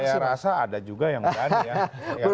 saya rasa ada juga yang berani ya